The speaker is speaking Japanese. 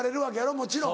もちろん。